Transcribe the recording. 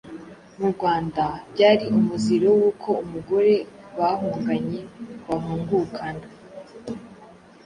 Mu Rwanda byari umuziro w'uko umugore bahunganye bahungukana;